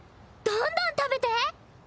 どんどん食べて。